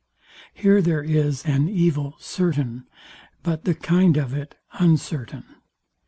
Here there is an evil certain, but the kind of it uncertain.